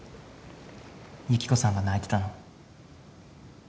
由希子さんが泣いてたの。